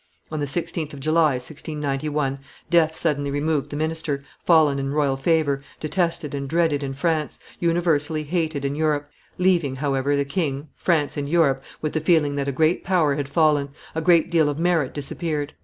On the 16th of July, 1691, death suddenly removed the minister, fallen in royal favor, detested and dreaded in France, universally hated in Europe, leaving, however, the king, France, and Europe with the feeling that a great power had fallen, a great deal of merit disappeared.